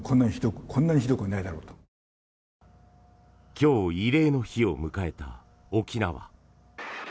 今日、慰霊の日を迎えた沖縄。